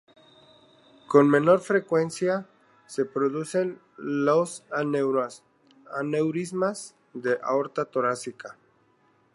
Con menor frecuencia se producen los aneurismas de aorta torácica.